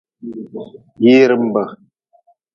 Yiirimb.